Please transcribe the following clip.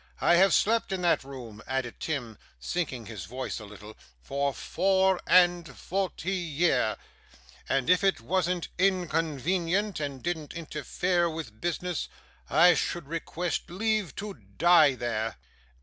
I have slept in that room,' added Tim, sinking his voice a little, 'for four and forty year; and if it wasn't inconvenient, and didn't interfere with business, I should request leave to die there.